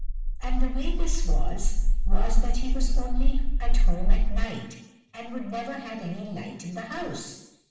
And the way this was, was that he was only at home at night, and would never have any light in the house.